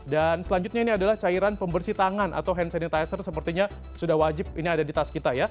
dan selanjutnya ini adalah cairan pembersih tangan atau hand sanitizer sepertinya sudah wajib ini ada di tas kita ya